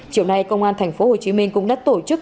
chiều nay công an tp hcm cũng đã tổ chức